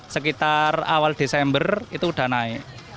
sekitar awal desember itu sudah naik